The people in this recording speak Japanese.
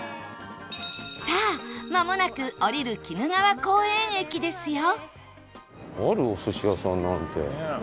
さあまもなく降りる鬼怒川公園駅ですよ